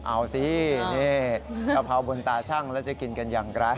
เอาสินี่กะเพราบนตาชั่งแล้วจะกินกันอย่างไร